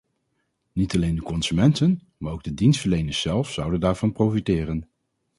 Niet alleen de consumenten, maar ook de dienstverleners zelf zouden daarvan profiteren.